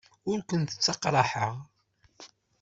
Ur kent-ttaqraḥeɣ.